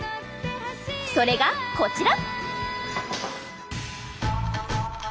それがこちら。